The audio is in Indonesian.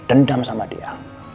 dendam sama dia